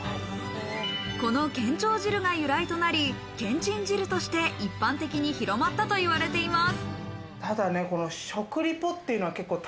この建長汁が由来となりけんちん汁として一般的に広まったといわれています。